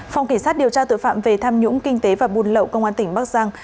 phòng cảnh sát điều tra tội phạm về tham nhũng kinh tế và buôn lậu công an tỉnh bắc giang